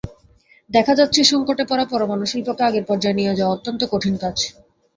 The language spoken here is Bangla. দেখা যাচ্ছে, সংকটে পড়া পরমাণুশিল্পকে আগের পর্যায়ে নিয়ে যাওয়া অত্যন্ত কঠিন কাজ।